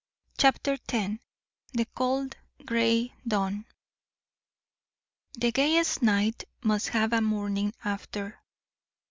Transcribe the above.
CHAPTER X THE COLD GRAY DAWN The gayest knight must have a morning after.